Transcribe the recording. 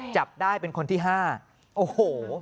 จับได้เป็นคนที่๕โอ้โห